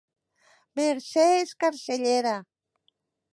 Mercè és cancellera